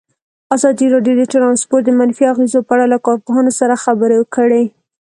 ازادي راډیو د ترانسپورټ د منفي اغېزو په اړه له کارپوهانو سره خبرې کړي.